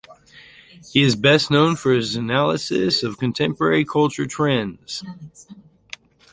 He is best known for his analysis of contemporary cultural trends.